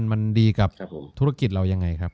มันดีกับธุรกิจเรายังไงครับ